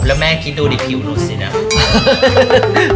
แล้วแม่คิดดูดิผิวหนูสิเนี่ย